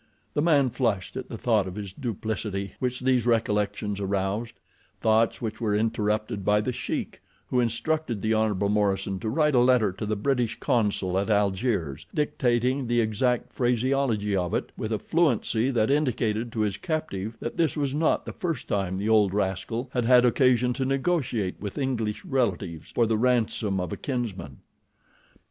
The man flushed at the thought of his duplicity which these recollections aroused—thoughts which were interrupted by The Sheik, who instructed the Hon. Morison to write a letter to the British consul at Algiers, dictating the exact phraseology of it with a fluency that indicated to his captive that this was not the first time the old rascal had had occasion to negotiate with English relatives for the ransom of a kinsman.